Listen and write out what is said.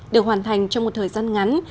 được hoàn thành trong một thời gian ngắn